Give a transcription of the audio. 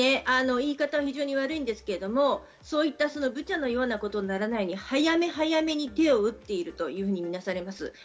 言い方は悪いですけれど、そういったブチャのようなことにならないように早め早めに手を打っているというふうにみなされます。